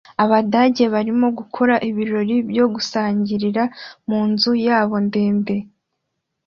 Abadage barimo gukora ibirori byo gusangirira munzu yabo ndende